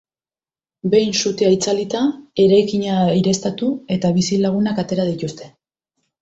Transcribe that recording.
Behin sutea itzalita, eraikina aireztatu eta bizilagunak atera dituzte.